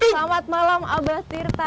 selamat malam ambah tirta